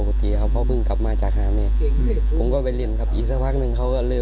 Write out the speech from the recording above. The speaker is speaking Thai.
พี่ว่าย๊ำอะไรของเพื่อนบอก